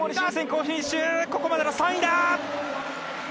ここまでの３位だ！